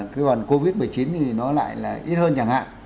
thế còn covid một mươi chín thì nó lại là ít hơn chẳng hạn